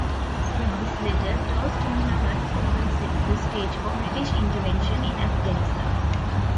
With this letter, Dost Mohammad formally set the stage for British intervention in Afghanistan.